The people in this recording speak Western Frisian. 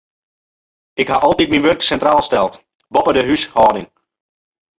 Ik ha altyd myn wurk sintraal steld, boppe de húshâlding.